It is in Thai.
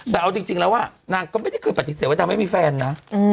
แต่เอาจริงแล้วนางก็ไม่ได้เคยปฏิเสธว่านางไม่มีแฟนนะ